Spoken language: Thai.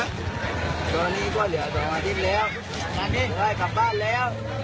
ตอนนี้ก็เหลือแต่อาทิตย์แล้ว